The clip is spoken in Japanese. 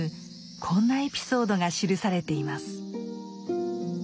こんなエピソードが記されています。